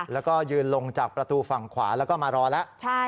แล้วก็ยืนลงจากประตูฝั่งขวาแล้วก็มารอแล้ว